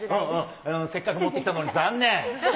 せっかく持ってきたのに残念。